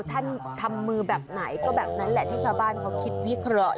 ทำมือแบบไหนก็แบบนั้นแหละที่ชาวบ้านเขาคิดวิเคราะห์